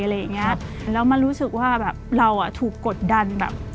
แล้วมันรู้สึกว่าเราถูกกดดัน